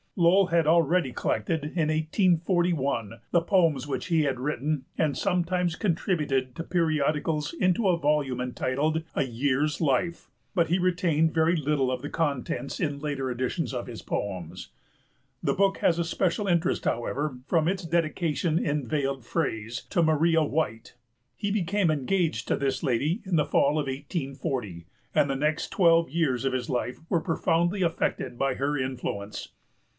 Lowell had already collected, in 1841, the poems which he had written and sometimes contributed to periodicals into a volume entitled A Year's Life; but he retained very little of the contents in later editions of his poems. The book has a special interest, however, from its dedication in veiled phrase to Maria White. He became engaged to this lady in the fall of 1840, and the next twelve years of his life were profoundly affected by her influence.